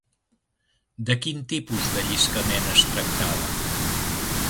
De quin tipus de lliscament es tractava?